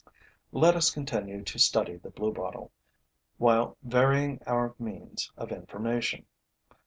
Let us continue to study the bluebottle, while varying our means of information.